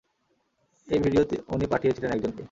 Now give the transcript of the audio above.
এই ভিডিও উনি পাঠিয়েছিলেন একজনকে।